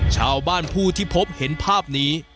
ชาวบ้านผู้ที่พบเห็นภาพนี้